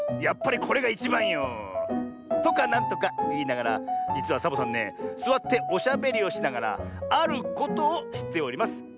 やっぱりこれがいちばんよ。とかなんとかいいながらじつはサボさんねすわっておしゃべりをしながらあることをしております。